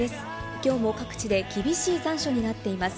きょうも各地で厳しい残暑になっています。